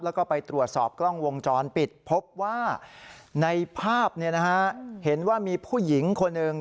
แล้วก็ไปตรวจสอบกล้องวงจรปิดพบว่าในภาพเห็นว่ามีผู้หญิงคนหนึ่ง